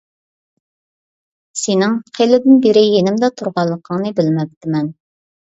سېنىڭ خېلىدىن بىرى يېنىمدا تۇرغانلىقىڭنى بىلمەپتىمەن.